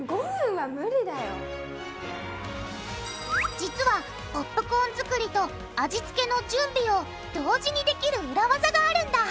実はポップコーン作りと味付けの準備を同時にできる裏ワザがあるんだ。